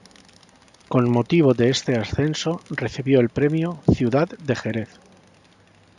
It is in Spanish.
Con motivo de este ascenso recibió el premio Ciudad de Jerez.